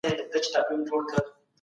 د ټولنپوهنې تعریفونه په یاد وساتئ.